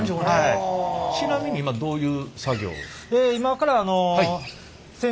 ちなみに今どういう作業を？